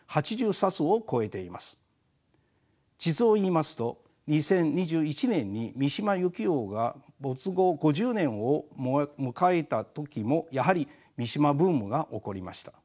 実を言いますと２０２１年に三島由紀夫が没後５０年を迎えた時もやはり三島ブームが起こりました。